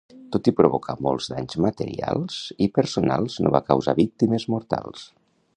Tot i provocar molts danys materials i personals no va causar víctimes mortals.